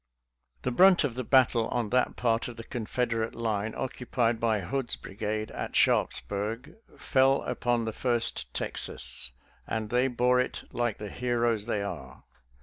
The brunt of the battle on that part of the Confederate line occupied by Hood's brigade at Sharpsburg fell upon the First Texas, and they bore it like the heroes they are.